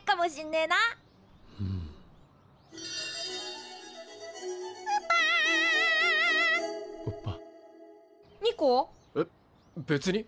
えっ別に。